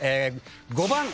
５番。